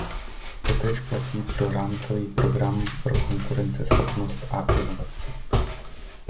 Totéž platí pro rámcový program pro konkurenceschopnost a inovaci.